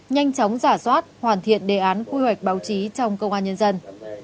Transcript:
nhanh chóng giả soát hoàn thiện đề án quy hoạch báo chí trong công an nhân dân